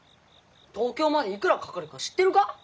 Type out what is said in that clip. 東京までいくらかかるか知ってるか？